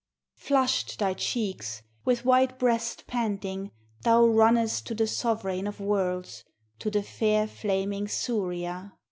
Flushed thy cheeks, with white breast panting, thou runnest To the sovereign of worlds, to the fair flaming Suria.